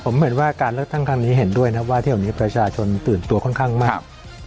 ผมเห็นว่าการเลือกตั้งครั้งนี้เห็นด้วยนะว่าเที่ยวนี้ประชาชนตื่นตัวค่อนข้างมาก